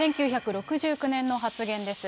１９６９年の発言です。